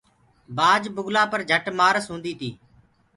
بآج بُگلآ پر جھٽ مآس هوندي تي۔